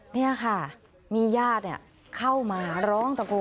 นี่ค่ะมีญาติเข้ามาร้องตะโกน